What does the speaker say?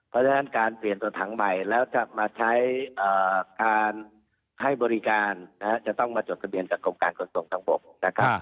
เพราะฉะนั้นการเปลี่ยนตัวถังใหม่แล้วจะมาใช้การให้บริการนะฮะจะต้องมาจดทะเบียนจากกรมการขนส่งทางบกนะครับ